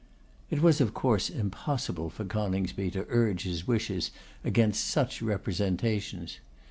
It was, of course, impossible for Coningsby to urge his wishes against such representations.